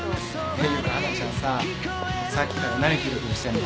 ていうか華ちゃんささっきから何キョロキョロしてんの？